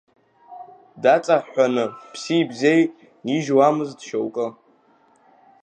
Даҵаҳәҳәаны, ԥси-бзеи нижьуамызт шьоукы.